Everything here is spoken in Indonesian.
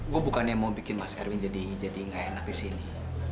gue bukannya mau bikin mas erwin jadi jadi gak enak di sini